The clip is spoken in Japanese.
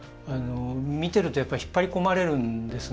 見ているとやっぱり引っ張り込まれるんですね。